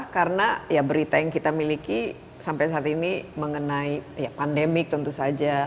karena ya berita yang kita miliki sampai saat ini mengenai ya pandemik tentu saja